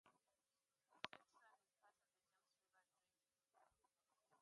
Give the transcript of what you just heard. Swift Run is part of the James River drainage system.